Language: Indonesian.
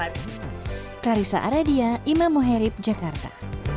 clarissa aradia imam muherib jakarta